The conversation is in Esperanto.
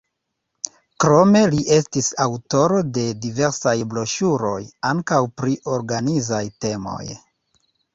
Krome li estis aŭtoro de diversaj broŝuroj, ankaŭ pri organizaj temoj.